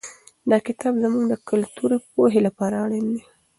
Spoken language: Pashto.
دا کتاب زموږ د کلتوري پوهې لپاره اړین دی.